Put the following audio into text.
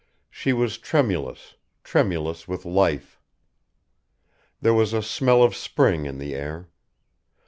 She was tremulous, tremulous with life. There was a smell of spring in the air.